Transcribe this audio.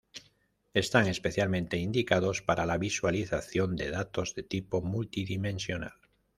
Están especialmente indicados para la visualización de datos de tipo multidimensional.